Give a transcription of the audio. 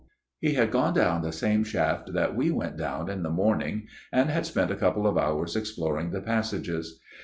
" He had gone down the same shaft that we went down in the morning ; and had spent a couple of hours exploring the passages.